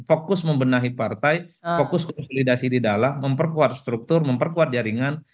fokus membenahi partai fokus konsolidasi di dalam memperkuat struktur memperkuat jaringan